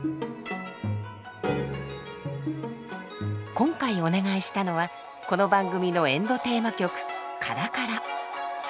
今回お願いしたのはこの番組のエンドテーマ曲「からから」。